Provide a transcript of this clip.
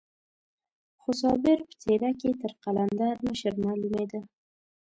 خو صابر په څېره کې تر قلندر مشر معلومېده.